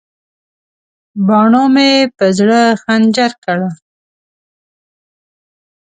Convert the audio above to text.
باڼو مې په زړه خنجر کړل.